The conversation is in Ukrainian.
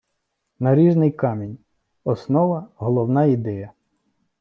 Наріжний камінь - основа, головна ідея